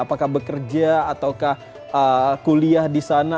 apakah bekerja ataukah kuliah di sana